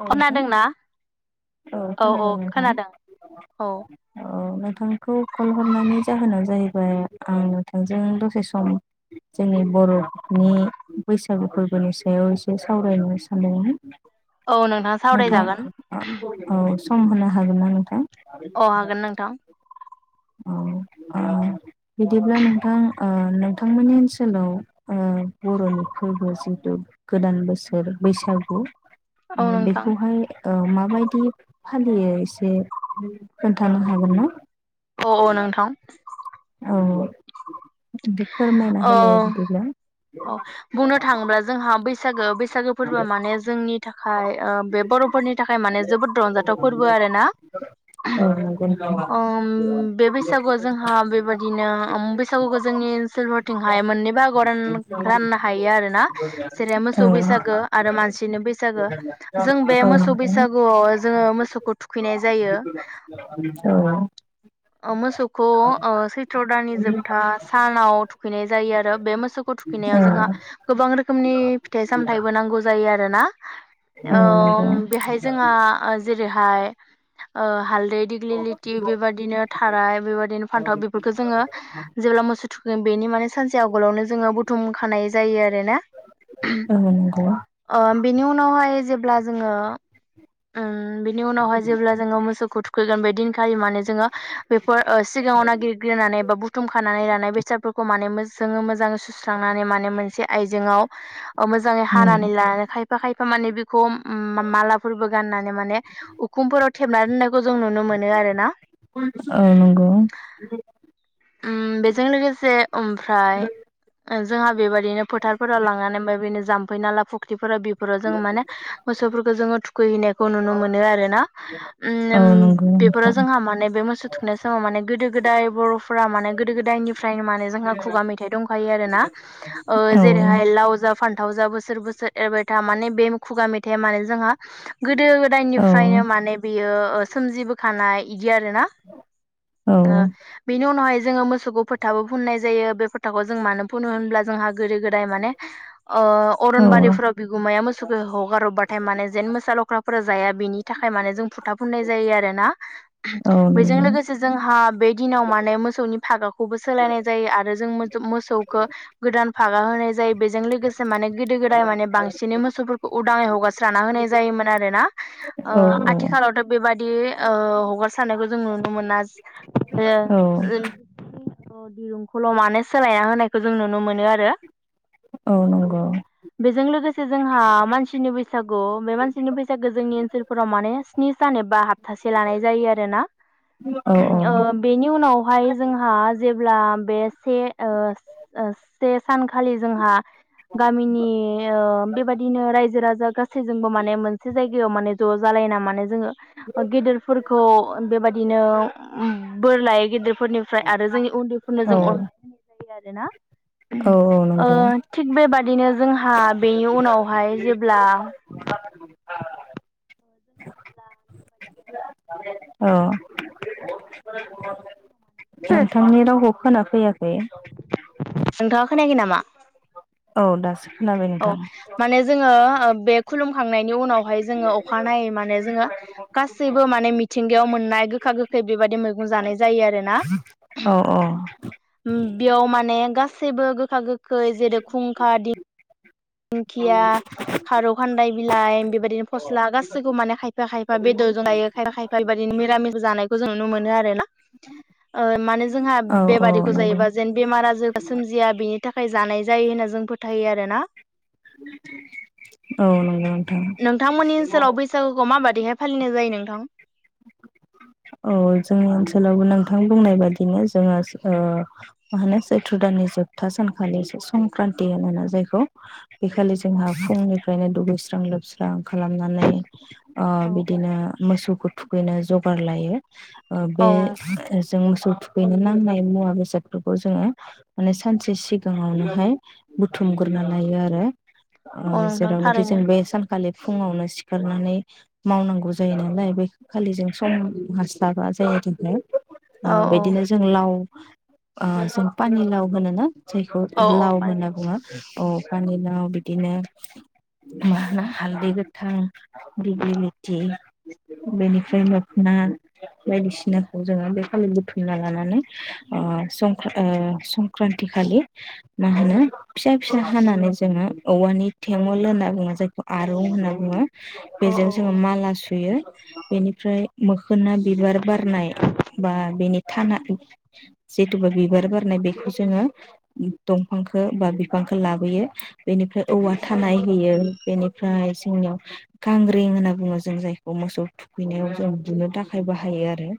औ नोंथां खोनादोंना औ खोनादों नोंथां औ ओ नोंथांखौ कल हरनायनि जाहोना जाहैबाय आं नोंथांजों दसे सम जोंनि बर'नि बैसागु फोरबोनि सायाव एसे सावरायनो सानदोंमोन। औ नोंथां सावरायजागोन। औ सम होनो हागोन ना नोंथां? अ हागोन नोंथां। औ आ। बिदिब्ला नोंथां ओ नों थांमोननि ओनसोलाव ओ बर'नि फोरबो जिहेतु गोदान बोसोर बैसागु औ ओ नोंथां बेखौहाय औ माबायदि फालियो एसे खोन्थानो हागोन ना? अ अ नोंथां। औ। बिदि फोरमायना होलाय अह बिदिब्ला अ बुंनो थाङोब्ला जोंहा बैसागो बैसा बैसागु फोरबोआ माने जोंनि थाखाय ओ बे बर'फोरनि थाखाय माने जोबोद रंजाथाव फोरबो आरोना औ नंगौ ओम बे बैसागुआ जोंहा बेबायदिनो बैसागु जोंनि ओनसोलफोरथिंहाय मोननै बाहागो रान राननो हायो आरोना जेरै मोसौ बैसाग नोंथां आरो मानसिनि बैसागो जों औ बे मोसौ औ बैसागुआव जोङो मोसौखौ थुखैनाय नंगौ जायो। औ औ औ मोसौखौ ओ सैथ्र' दाननि जोबथा सानाव थुखैनाय जायो आरो बे मोसौखौ थुखैनायाव जोंहा गोबां रोखोमनि फिथाइ सामथायाइबो नांगौ ज जायो आरो ना ओम बेहाय जोंहा ओ जेरै फाय ओ हाल- दै देग्लि लिथि बेबायाददिनो थाराय बेबायदिनो फान्थाव बेफोरखौ जोङो जेब्ला मोसौ थुखैयो बेनि माने सानसे आव- गलावनो जोङो बुथुम खानाय जायो आरोना नंगौ औ नंगौ ओ बेनि उनावहाय जेब्ला जोंङो ओ अम बिनि उनावहाय जेब्ला जोंङो मोसौखौ थु खैजाम बेदिनो खालि माने जोङो बेफ। [unintelligible] फोर ओ सिगाङाव नागिरग्रोननानै बा बुथुमखानानै लानाय बेसादफोरखौ माने मोज जोङो मोजां सुस्रांनानै माने मोनसे आइजेंआव अ मोजाङै उम हानानै लाना खायफा खाय थारमाने बेखौ ओम मा-माला फोरबो गाननानै माने उखुमफोराव थेबना दोनो औ नंगौ। अम बेजों लोगोसे ओमफ्राय जोंहा बेबायदिनो फोथारफोराव लांनानै ओम बेनो जाम बै नाला फख्रि फोरा बेफोराव जों माने मोसौफोरखौ जोंङो थुखैहैनायखौ नुनो मोनो आरोना ओम औ अम नंगौ बेफोराव नोंथां जोंहा माने बे मोसौ थुखैनाय समाव माने गोदो गोदाय बर' माने गोदो गोदायनिफ्रायनो माने जोंहा खुगा मेथाइ दंखायो आरो ना ओ औ जेरैहाय लाव जा फान्थाव जा बोसोर बोसोर एरबाय था माने बे खुगा मेथाइआ माने जोंहा गोदो औ गोदायनिफ्रायनो माने बियो ओ सोमजिबोखानाय गि आरोना औ हय जोङो मोसौखौ फोथाबो फुननाय जायो बे फोथाखौ जों मानो फुनो होनब्ला जोंहा गोदो गोदाय माने ओ औ अरनबारिफोराव बिगुमाया मो सौखौ हगार हरबाथाय माने जेन मोसा लख्राफोरा जाया बेनि थाखाय माने जों फुथाफुननाय जायो आरो ना बेजों नंगौ लोगोसे जोंहा बे दिनाव माने माने मोसौनि फागाखौबो सोलायनाय जायो आरो जों मोसौखौ गोदान फागा होनाय जायो बेजों लोगोसे माने गोदो गोदाय माने बांसिनै मोसौफोरखौ उदाङै हगारस्राना होनाय जायोमोन आरोना आ औ आथिखालावथ' बेबादि ओ हगारस्रनायखौ जों नुनो मोना औ ओम अ दिरुंखौल' माने सोलायना होनायखौ जों नुनो मोनो आरो औ नंगौ बेजों लोगोसे जोंहा मानसिनि बैसागु बे मानसिनि बैसागु जोंनि ओनसोलफोराव माने स्नि सान एबा हपथासे लानाय जायो आरोना औ ओ बेनि उनाव ओमफाय जोंहा जेब्ला बे से ओ ओ से सानखालि जोंहा गामिनि ओ बेबायदिनो रायजो राजा गासैजोंबो माने मोनसे जायगायाव माने ज' जालायना माने जोङो गेदेरफोरखौ बेबायदिनो बोर लाय गेदेर। फोरनिफ्राय आरो जोंनि उन्दैफोरनो औ जों अननाय होनाय जायो खोनादोना। औ नंगौ ओ थिग बेबादिनो जोंहा बेनि उनावहाय जेब्ला। [unintelligible] औ [unintelligible] नोंथांनि रावखौ खोना फैयाखै। नोंथाङा खोनायाखै नामा? औ दासो। खोनाबाय औ नोंथां माने जोङो बे खुलुमखांनायनि उनावहाय जोङो अखानायै माने जोङो गासैबो माने मिथिंगायाव मोननाय गोखा गोखै बेबायदि मैगं जानाय जायो आरोना औ औ बेयाव माने गासैबो गो गोखा गोखै जेरै खुंखा दिं दिंखिया खारौ खान्दाय बिलाइ बेबायदिनो फस्ला गाैखौबो माने खायफा खायफा बेदरजों जायो खायफा खायफा बेबायादिनो मिरामि जानायखौ जों नुनो मोनो आरो ना ओ माने जोंहा औ औ बेबादिखौ नंगौ जायोबा जेन बेमारा आजोर सोमजिया बेनि थाखाय जानाय जायो होनना जों फोथायो आरो ना। औ नंगौ नोंथांमोननि ओनसोलाव बैसागुखौ माबाददिहाय फालिनाय जायो नों थां। औ जोंनि ओनसोलावबो नोंथां बुंनाय बादिनो जोङो ओ मा होनो सैथ्र दाननि जोबथा सानखालि संक्रान्ति होनोना जायखौ बे खालि जोंहा फुंनिफ्रायनो दुगैस्रां लोबस्रां खालामनानै अ औ औ बिदिनो मोसौफोर बेनो जगार लायो ओ औ बे नोंथां जों मोसौ थुखैनो नांनाय मुवा बेसादफोरखौ जोङो माने सानसे सिगाङावनोहाय बुथुमग्रोना लायो आरो ओ औ नोंथां जेरावनोखि जों थारैनो बे सान खालि फुङावनो सिखारनानै मावनांगौ जायो नालाय बे खालिजों सम हास्लाबा जाया जों अ औ औ बिदिनो जों लाव अ जों पानिलाव होनो ना? जायखौ औ औ लाव होनना बानायनांगौ बुङो। अ पानिलाव बिदिनो मा होनो हालदै गोथां दिग्लि लिथि बेनिफ्राय लोखोना बायदिसिनाखौ जोङो बे खालि बुथुमना लानानै सं संक्रान्ति खालि मा होनो फिसा फिसा हानानै जोङो औवानि थेवल होनना बुङो जायखौ आरौ होनना बुङो औ बेजों औ जोङो माला सुयो। बेनिफ्राय मोखोना बिबार बारनाय बा बेनि थाना जिथुबा बिबार बारनाय बेखौ जोङो दंफांखौ बा बिफांखौ लाबोयो बेनिफ्राय औवा थानाय होयो बेनिफ्राय जोंनियाव गांग्रिं होनना बुङो जों जायखौ मोसौ थुखैनायाव जों [unintelligible] थाखाय बाहायो आरो।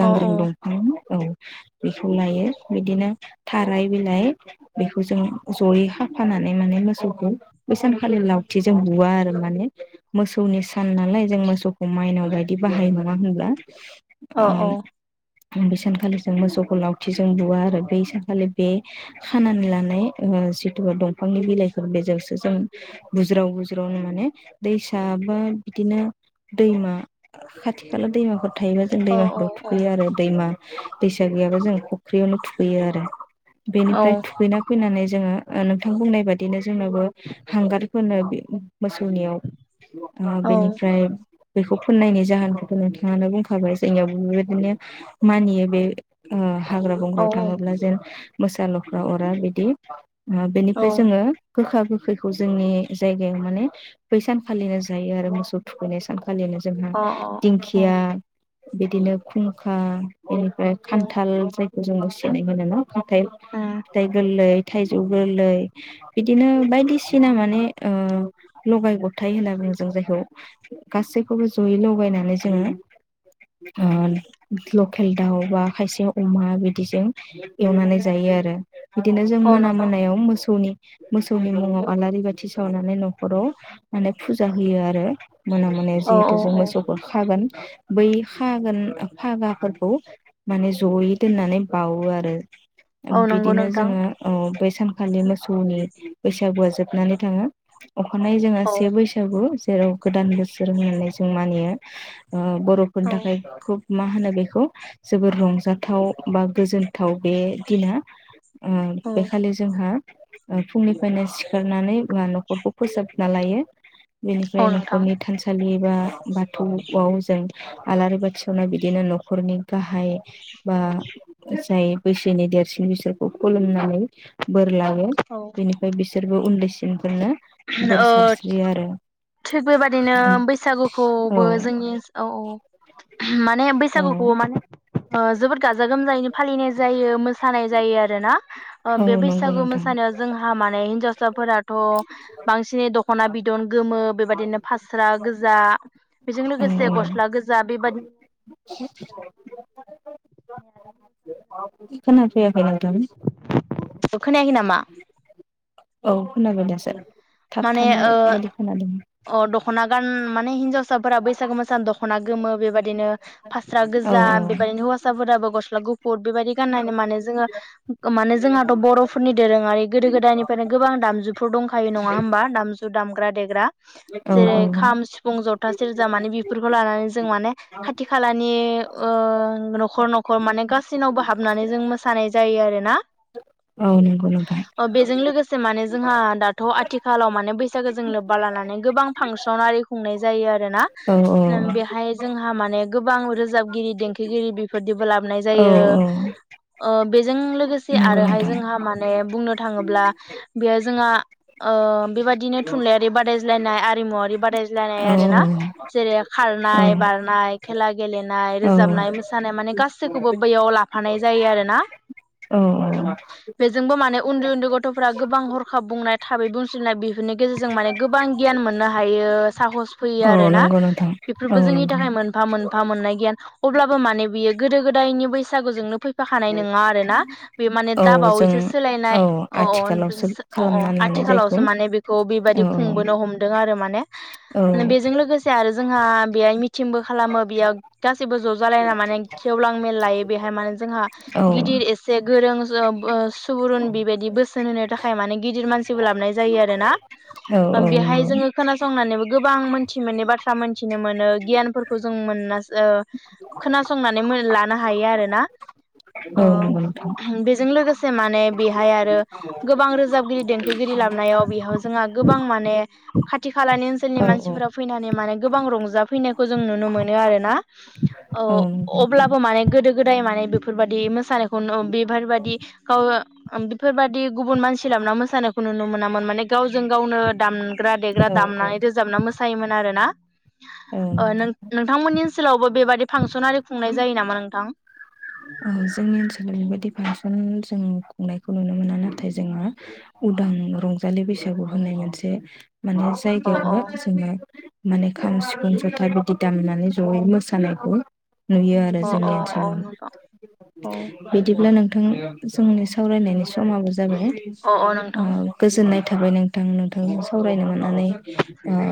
औ दंफां औ। बेखौ लायो बिदिनो थाराय बिलाइ बेखौ जों जयै खाफानानै माने मोसौखौ बै सानखालि लावथि जों बुवा आरो माने मोसौनि सान नालाय जों मोसौ मायनाव बायदि बाहायो नङा होनब्ला? औ औ। बे सानखालि जों मोसौखौ लावथिजों बुवा आरो बै सानखालि बे खानानै लानाय जिथु दंफांनि बिलाइफोर बेजोंसो जों बुज्राव बुज्रावनो माने दैसा बा बिदिनो दैमा खाथि खाला दैमाफोर थायोबा जों औ दैमाफोराव थुखैयो आरो दैमा दैसा गैयाबा जों फुख्रियावनो थुखैयो आरो। औ बेनिफ्राय थुखैना फैनानै जोङो नोंथां बुंनाय बादिनो जोंनाबो हांगार फोनो मोसौनियाव बेनिफ्राय खौ फोननायनि जाहोनखौ नोंथां ङानो बुंखाबाय जोंनियाव बेबायदिनो मानियो बे ओ हाग्रा औ बंग्रायाव थाङोब्ला जेन मोसा ल'फ्रा अरा बिदि बेनिफ्राय जोङो गोखा गोखैखौ जोंनि जायगायाव माने बैसान खालिनो जायो आरो मोसौ थुखैनाय खालिनो जोंहा दिंखिया बिदिनो खुंखा बेनिफ्राय खान्थाल जाय जों [unintelligible] मोनो न'? हाथाय फिथाइ गोरलै थाइजौ गोरलै बिदिनो बायदिसिना माने ओ लगाय गथाय होनना बुंङो जों जायखौ गासैखौबो जयै लगायनानै जोङो लकेल दाउ बा खायसे अमा बिदिजों एवनानै जायो आरो बिदिनो जों औ मोना नोंथां मोनायाव मोसौनि मोसौनि मुङाव आलारि बाथि सावनानै न'खराव माने फुजा होयो आरो मोना मोनायाव औ जिहेथु औ जों औ मोसौफोर खागोन बै हागोन फागाफोरखौ माने जयै दोननानै बावो आरो औ नंगौ बिदिनो नोंथां जोङो बै सानखालि मोसौनि बैसागुआ जोबनानै थाङो अखानायनायै जोङो औ से बैसागु जेराव गोदान बोसोर होननानै जों मानियो ओ बर'फोरनि औ थाखाय खुब मा होनो बेखौ जोबोर रंजाथाव बा गोजोनथाव बे दिना ओ औ बेखालि जोंहा ओ फुंनिफ्रायनो सिखारनानै न'खरखौ फोसाबना लायो। औ बेनिफ्रायनो नोंथां थानसालि बा बाथौआव जों आलारि बाथि सावना बिदिनो न'खरनि गाहाय बा जाय बैसोनि देरसिन बिसोरखौ खुलुमनानै बोर लायो औ बेनिफ्राय बिसोर बो उन्दैसिनफोरनो बोर ओ सारस्रियो आरो। थिग बेबादिनो औ बैसागुखौबो जोंनि ओनसोलाव माने औ बैसागुखौ माने ओ जोबोद गाजा गोमजायैनो फालिनाय जायो मोसानाय जायो आरोना ओ औ बे नंगौ बैसागु नोंथां मोसानायाव जोंहा माने हिनजाव साफोरा थ' बांसिनै दख'ना बिदन गोमो बेबायदिनो फास्रा गोजा बेजों औ लोगोसे औ गस्ला गोजा बेबा खोना फैयाखै नोंथां औ खोनायाखै नामा? औ खोनाबाय दासो माने थाबथानाय ओ बायदि खोनादों अ दख'ना गान माने हिनजावस साफोरा बैसागु मोसानो दख'ना गोमो बेबायदिनो फास्रा औ गोजा बेबायदिनो हौवासाफोराबो गस ला गु फुर बेबायदि गाननानै माने जोङो माने जोंआ थ' बर'फोरनि दोरोङारि गोदो गोद दाइनिफ्रायनो गोबां दामजुफोर दंखायो। नङा होमबा दामज जु दामग्रा देग्रा औ औ जेरै- खाम सिफुं जथ था सेरजा माने बेफोरखौ लानानै जों माने खाथि खालानि ओ न'खर न'खर माने गासैनावबो हाबनानै जों मोसानाय जायो आरोना। औ नंगौ नोंथां बेजों लोगोसे माने जोंहा दाथ' आथ थिखालाव माने बैसागो जों लोब्बा लानानै गोबां फांसन आरि खुंनाय जायो आ रोना औ औ ओं बेहाय जोंहा माने गोबां रोजाबगिरि देंखोगिरि बेफोर बिदिबो लाबोनाय औ जायो औ ओ बेजों लोगोसे नंगौ आरोहाय नोंथां जोंहा माने बुंनो थांङोब्ला बेयो जोंहा ओ बेबादिनो थुनलाइयारि बादायज्लायनाय आरिमुवरारि बादायज्लायनाय औ आरो ना जेरै औ खारनाय बारनाय खेला गेलेनाय औ रोजाबनाय मोसानाय माने गासैखौबो बैयाव लाफानाय जायो आरो ना औ बेजोंबो माने उन्दै उन्दै गथ'फोरारा गोबां हरखाब बुंनाय थाबै बुजिनाय बि बेफोरनि गेजेरजों माने गोबां गियान मोननो हायो साहस फैयो औ आरोना नंगौ नोंथां औ बेफोरबो जोंनि नंगौ थाखाय मोनफा मोनफा मोननाय गियान अब्लाबो माने बियो गोदो गोदायनि बैसागुजोंनो फै खानाय नंङा आरो ना बे माने औ जों दाबावैसो सोलायनाय औ अ आथिखालावसो खालामना अ लानाय जायखौ आथिखालावसो माने बेखौ बेबायदि औ खुंबोनो हमदों आरो माने औ बेजों लोगोसे आरो जोंहा बेहाय मिथिंबो खालामो बेयाव गासिबो जालायना गेवलां मेल लायो बेहाय माने जोंहा औ गिदिर एसे गोरों ओ सुबुरुन बेबायदि बोसोन होनो थाखाय माने गिदिर मानसि लाबोनाय जायो आरो ना औ औ बेहाय नंगौ जोंङो खोनासंनानै गोबां मोनसे थि मोनै बाथ्रा मोनथिनो मो गियानफोरखौ जों मोन ओ खोनासंनानै लानो हायो आरोना अ औ नंगौ नोंथां बेजों लोगोसे माने बेहाय आरो गोबां रोजाबगिरि देंखो लाबनायाव बेहाव जोंहा गोबां माने खाथि खालानि ओनसोलनि औ मानसिफोरा फैनानै माने गोबां रंजाफैनायखौ जों नुनो मोनो आरोना औ अब्लाबो माने गोदो गोदाय माने बेफोरबायदि मोसानायखौ [unintelligible] बेफोरबादि गुबुन मानसि लाबोना मोसानो खौ नुनो मोनामोन माने गावजों गावनो दाम देग्रा देग्रा औ औ दामनानै रोजाबना मोसायोमोन आरोना औ ओ नंगौ नों नोंथांमोननि ओनोलावबो बेबादि फांसन आरि खुंनाय जायो नामा नोंथां जोंनि ओनसोलाव ओरैबायदि फांसन जों खुंनायखौ नुनो मोना नाथाय जोंङो उदां रंजालि बैसागु होनाय मोनसे माने अ अ जायगायावनो जोंङो माने खाम सिफुं जथा बिदि दामनानै जयै मोसानायखौ नुयो आरो अ जोंनि अ अ ओनसोलाव नोंथां अ बिदि नो नोंथां जोंनि सावरायनायनि समाबो जाबाय अ अ ओ नोंथां गोजोननाय थाबाय नोंथां नोंथांजों सावरायनो मोननानै ओ